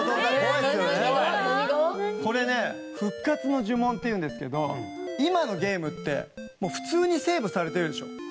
これねふっかつのじゅもんっていうんですけど今のゲームってもう普通にセーブされてるでしょ。